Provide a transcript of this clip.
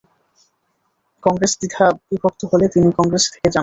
কংগ্রেস দ্বিধাবিভক্ত হলে তিনি কংগ্রেসে থেকে যান।